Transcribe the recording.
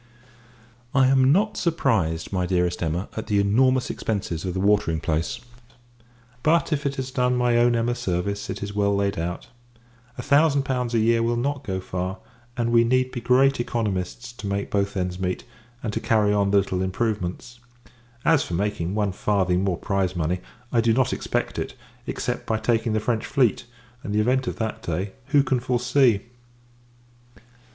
I am not surprised, my dearest Emma, at the enormous expences of the watering place; but, if it has done my own Emma service, it is well laid out. A thousand pounds a year will not go far; and we need be great economists, to make both ends meet, and to carry on the little improvements. As for making one farthing more prize money, I do not expect it; except, by taking the French fleet: and, the event of that day, who can foresee!